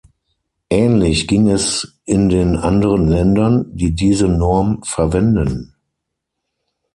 Ähnlich ging es in den anderen Ländern, die diese Norm verwenden.